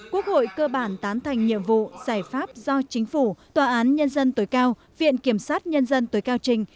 quốc hội cơ bản tán thành nhiệm vụ giải pháp do chính phủ tòa án nhân dân tối cao viện kiểm sát nhân dân tối cao trình